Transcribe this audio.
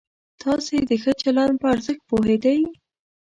تاسې د ښه چلند په ارزښت پوهېدئ؟